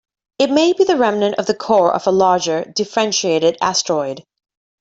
It may be the remnant of the core of a larger, differentiated asteroid.